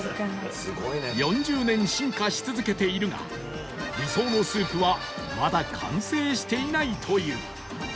４０年進化し続けているが理想のスープはまだ完成していないという